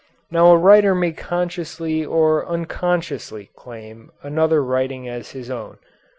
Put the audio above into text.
Now a writer may consciously or unconsciously claim another writing as his own.